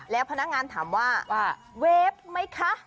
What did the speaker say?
แล้วพนักงานถามว่าเวฟไหมคะ